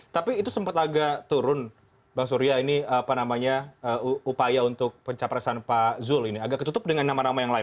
tapi itu sempat agak turun bang surya ini apa namanya upaya untuk pencapresan pak zul ini agak ketutup dengan nama nama yang lain